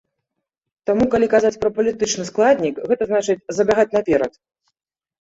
Таму, калі казаць пра палітычны складнік, гэта значыць, забягаць наперад.